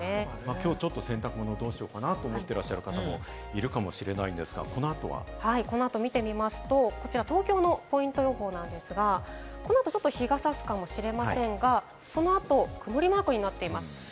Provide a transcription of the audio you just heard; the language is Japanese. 今日ちょっと洗濯物、どうしようかなと思ってる方もいると思こちら、東京のポイント予報なんですが、このあとちょっと日が差すかもしれませんが、そのあと曇りマークになっています。